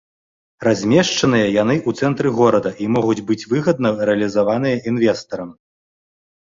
Размешчаныя яны ў цэнтры горада і могуць быць выгадна рэалізаваныя інвестарам.